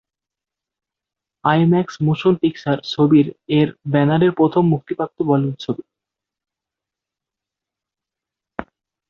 IMAX motion picture ছবির এর ব্যানারে প্রথম মুক্তিপ্রাপ্ত বলিউড ছবি।